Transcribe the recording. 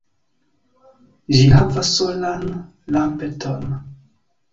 Ĝi havas solan lampeton.